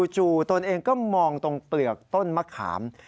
ตนเองก็มองตรงเปลือกต้นมะขาม